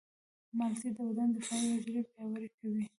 مالټې د بدن دفاعي حجرې پیاوړې کوي.